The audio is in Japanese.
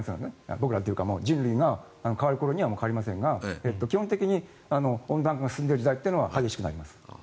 僕らというか人類が変わる頃には変わりませんが基本的に温暖化が進んでる時代は激しくなります。